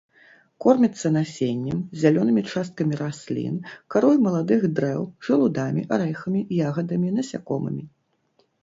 Корміцца насеннем, зялёнымі часткамі раслін, карой маладых дрэў, жалудамі, арэхамі, ягадамі, насякомымі.